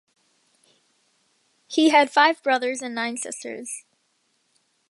He had five brothers and nine sisters.